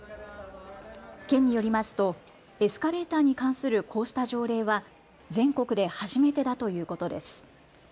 県によりますとエスカレーターに関するこうした条例は全国で初めてだということです。